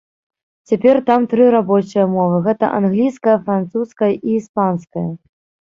Цяпер там тры рабочыя мовы, гэта англійская французскай і іспанская.